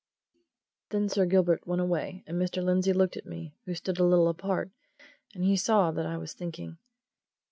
Then Sir Gilbert went away, and Mr. Lindsey looked at me, who stood a little apart, and he saw that I was thinking.